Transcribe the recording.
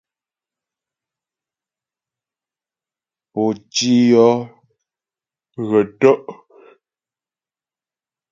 Pǒ tî yɔ́ hə̀ tɔ́' ?